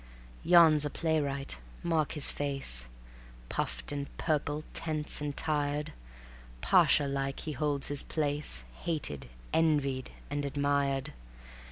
Yon's a playwright mark his face, Puffed and purple, tense and tired; Pasha like he holds his place, Hated, envied and admired.